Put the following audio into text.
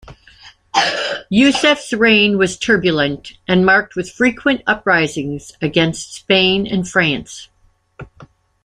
Yusef's reign was turbulent and marked with frequent uprisings against Spain and France.